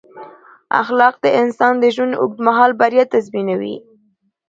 اخلاق د انسان د ژوند اوږد مهاله بریا تضمینوي.